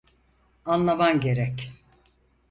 Anlaman gerek.